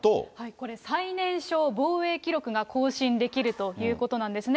これ、最年少防衛記録が更新できるということなんですね。